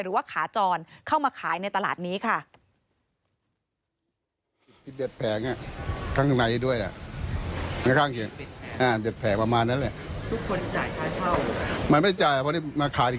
หรือว่าขาจรเข้ามาขายในตลาดนี้ค่ะ